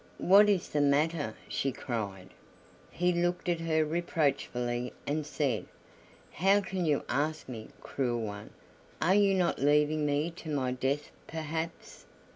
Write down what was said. "What is the matter?" she cried. He looked at her reproachfully, and said: "How can you ask me, cruel one? Are you not leaving me to my death perhaps?"